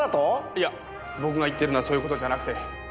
いや僕が言ってるのはそういう事じゃなくて。